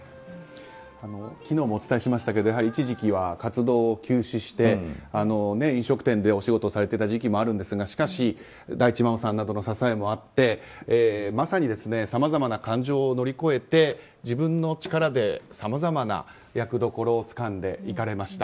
昨日もお伝えしましたけど一時期は活動を休止して飲食店でお仕事をされていた時期もあるんですがしかし大地真央さんなどの支えもあってまさにさまざまな感情を乗り越えて自分の力でさまざまな役どころをつかんでいかれました。